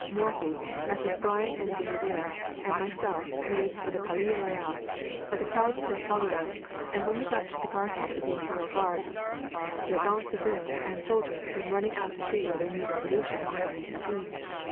Morphy, Messrs. Bryan and De Rivière and myself, made for the Palais Royal, but the crowd still followed us, and when we got to the guardhouse of the Imperial Guard, sergeants de ville and soldiers came running out to see whether a new revolution was on the tapis.